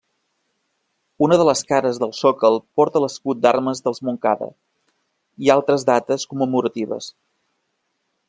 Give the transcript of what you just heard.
Una de les cares del sòcol porta l'escut d’armes dels Montcada, i altres dates commemoratives.